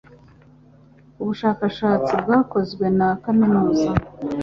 Ubushakashatsi bwakozwe na Kaminuza